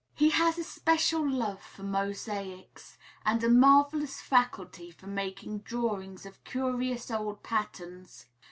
He has a special love for mosaics, and a marvellous faculty for making drawings of curious old patterns.